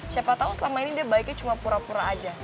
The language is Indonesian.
siapa tahu selama ini dia baiknya cuma pura pura aja